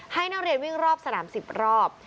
ให้นักเรียนวิ่งรอบสนาม๑๐รอบ